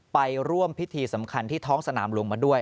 ไปร่วมพิธีสำคัญที่ท้องสนามหลวงมาด้วย